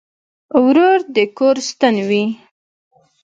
ورور د کور ستن وي.